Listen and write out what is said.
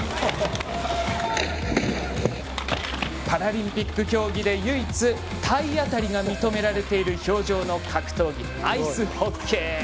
パラリンピック競技で唯一体当たりが認められている氷上の格闘技、アイスホッケー。